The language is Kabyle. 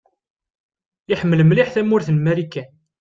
Iḥemmel mliḥ tamurt n Marikan.